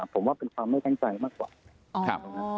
ผมว่าเป็นความไม่แท้งใจมากกว่า